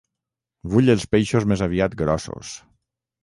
Vull els peixos més aviat grossos.